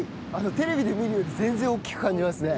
テレビで見るより全然大きく感じますね。